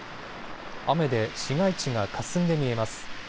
雨で市街地がかすんで見えます。